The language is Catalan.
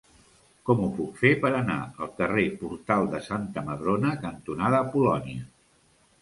Com ho puc fer per anar al carrer Portal de Santa Madrona cantonada Polònia?